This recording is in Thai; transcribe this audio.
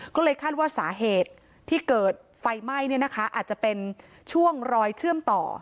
ก็เลยคาดว่าสาเหตุที่เกิดไฟไหม้อาจจะเป็นช่วงรอยเชื่อมต่อ